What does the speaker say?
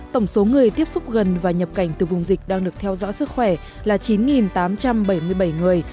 tổng số người tiếp xúc gần và nhập cảnh từ vùng dịch đang được theo dõi sức khỏe là chín tám trăm bảy mươi bảy người